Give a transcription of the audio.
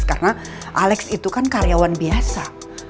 karena alex itu kan karyawan biasa